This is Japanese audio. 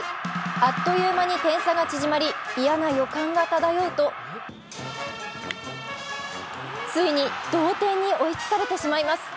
あっという間に点差が縮まり嫌な予感が漂うとついに同点に追いつかれてしまいます。